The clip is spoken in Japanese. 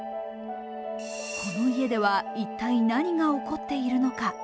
この家では一体何が起こっているのか？